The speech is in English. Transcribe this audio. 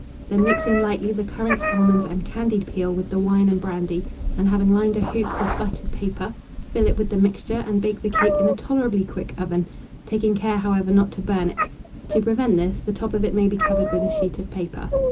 Then mix in lightly the currants, almonds, and candied peel with the wine and brandy; and having lined a hoop with buttered paper, fill it with the mixture, and bake the cake in a tolerably quick oven, taking care, however, not to burn it: to prevent this, the top of it may be covered with a sheet of paper.